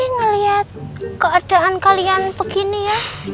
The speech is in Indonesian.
ngelihat keadaan kalian begini ya